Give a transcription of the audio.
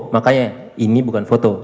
makanya ini bukan foto